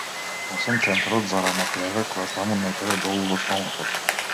Освен центарот за рамотежа, кој е таму некаде долу, во стомакот.